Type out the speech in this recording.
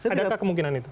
adakah kemungkinan itu